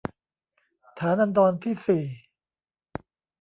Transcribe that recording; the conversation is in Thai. ฐานันดรที่สี่